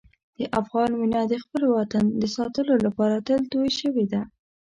د افغان وینه د خپل وطن د ساتلو لپاره تل تویې شوې ده.